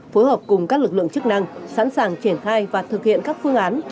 phối hợp cùng các lực lượng chức năng sẵn sàng triển khai và thực hiện các phương án